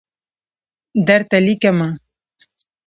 درته لیکمه